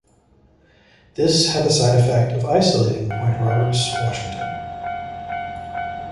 This had the side effect of isolating Point Roberts, Washington.